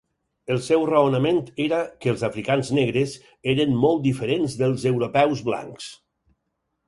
El seu raonament era que els africans negres eren molt diferents dels europeus blancs.